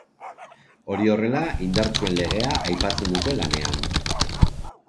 Hori horrela, indartsuen legea aipatzen dute lanean.